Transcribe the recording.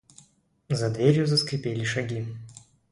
За дверью заскрипели шаги.